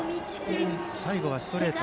最後はストレート。